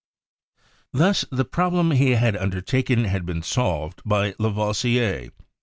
Thus the problem he had undertaken had been solved by Lavoisier.